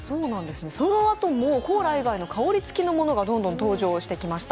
そのあともコーラ以外の香り付きのものがどんどん登場してきました。